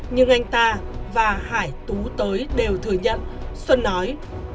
nhưng anh ta và hải tú tới đều thừa nhận xuân nói